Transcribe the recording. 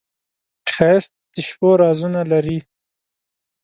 ښایست د شپو رازونه لري